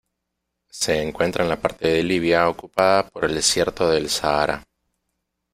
Se encuentra en la parte de Libia ocupada por el desierto del Sahara.